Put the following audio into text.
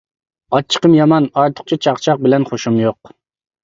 ئاچچىقىم يامان، ئارتۇقچە چاقچاق بىلەن خۇشۇم يوق!